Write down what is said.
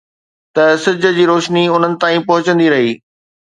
ته سج جي روشني انهن تائين پهچندي رهي